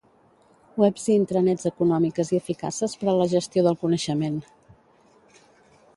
Webs i intranets econòmiques i eficaces per a la gestió del coneixement.